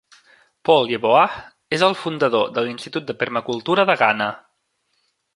Paul Yeboah és el fundador de l'Institut de Permacultura de Ghana.